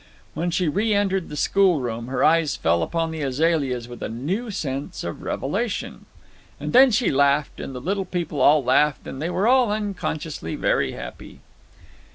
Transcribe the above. When she re entered the schoolroom, her eyes fell upon the azaleas with a new sense of revelation. And then she laughed, and the little people all laughed, and they were all unconsciously very happy.